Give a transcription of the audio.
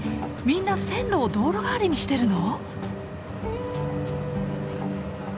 みんな線路を道路代わりにしてるの？